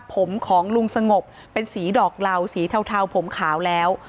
ผมของลุงสงบเป็นสีดอกเหล่าสีเทาผมขาวแล้ว